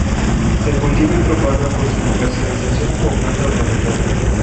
Se cultiva y propaga para su comercialización como planta ornamental.